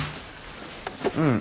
うん。